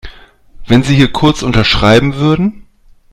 Wenn Sie hier kurz unterschreiben würden.